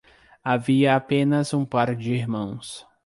Havia apenas um par de irmãos.